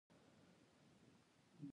چې اوس دا چارې د لوبو سامان غوندې دي.